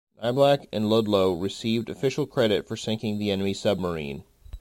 "Niblack" and "Ludlow" received official credit for sinking the enemy submarine.